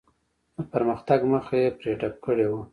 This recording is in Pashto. د پرمختګ مخه یې پرې ډپ کړې وه.